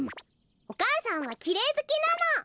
おかあさんはきれいずきなの。